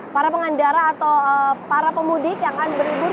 para pengendara atau para pemudik yang akan berlibur